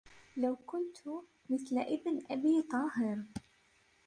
لو كنت مثل ابن أبي طاهر